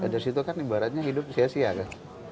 dari situ kan ibaratnya hidup sia sia kan